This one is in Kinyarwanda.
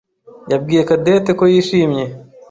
yabwiye Cadette ko yishimye.